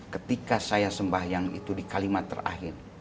ketika saya sembahyang itu di kalimat terakhir